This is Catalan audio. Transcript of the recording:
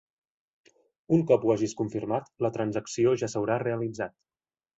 Un cop ho hagis confirmat la transacció ja s'haurà realitzat.